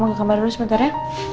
mau ke kamar dulu sebentar ya